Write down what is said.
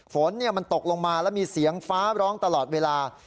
ฝนจะตกลงมามีเสียงฟ้าร้องตลอดเวลา